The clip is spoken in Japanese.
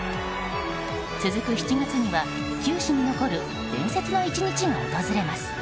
続く７月には球史に残る伝説の１日も訪れます。